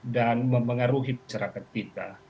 dan mempengaruhi ceraka kita